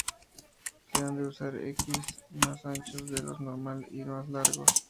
Se han de usar esquís más anchos de lo normal y más largos.